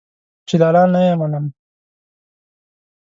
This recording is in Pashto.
چې لالا نه يې منم.